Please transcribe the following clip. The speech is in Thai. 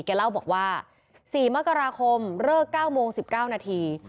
เล่าบอกว่า๔มกราคมเลิก๙โมง๑๙นาที